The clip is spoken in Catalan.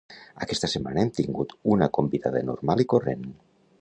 Aquesta setmana hem tingut una convidada normal i corrent.